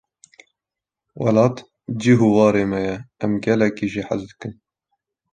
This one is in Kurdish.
Welat cih û ware me ye, em gelekî jê hez dikin.